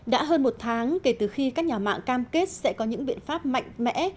đã hơn một tháng kể từ khi các nhà mạng cam kết sẽ có những biện pháp mạnh mẽ